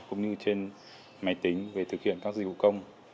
cũng như trên máy tính về thực hiện các dịch vụ công